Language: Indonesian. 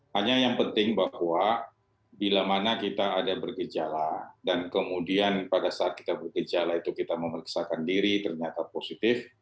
hanya yang penting bahwa bila mana kita ada bergejala dan kemudian pada saat kita bergejala itu kita memeriksakan diri ternyata positif